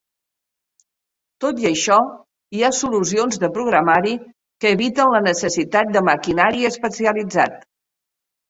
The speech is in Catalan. Tot i això, hi ha solucions de programari que eviten la necessitat de maquinari especialitzat.